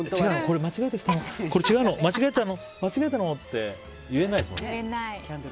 これ、間違えたのって言えないですもんね。